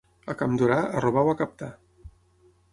A Campdorà, a robar o a captar.